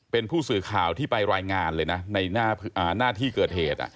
เป็นผู้สื่อข่าวที่ไปรายงานเลยนะในหน้าที่เกิดเหตุ